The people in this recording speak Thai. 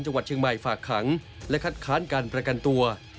จังหวัดเชียงใหม่ฝากขังและคัดค้านการประกันตัว